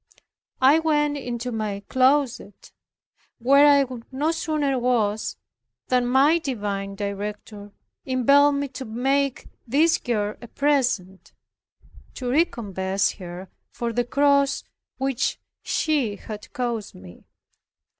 I went into my closet, where I no sooner was, than my divine Director impelled me to make this girl a present, to recompense her for the cross which she had caused me.